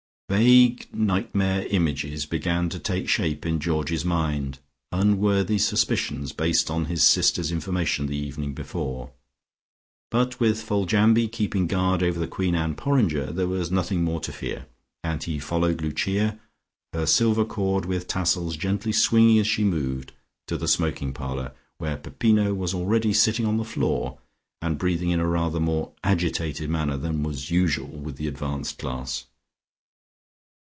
Vague nightmare images began to take shape in Georgie's mind, unworthy suspicions based on his sisters' information the evening before. But with Foljambe keeping guard over the Queen Anne porringer, there was nothing more to fear, and he followed Lucia, her silver cord with tassels gently swinging as she moved, to the smoking parlour, where Peppino was already sitting on the floor, and breathing in a rather more agitated manner than was usual with the advanced class.